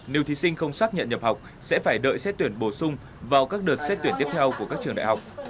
nếu thí sinh không xác nhận nhập học sẽ phải đợi xét tuyển bổ sung vào các đợt xét tuyển tiếp theo của các trường đại học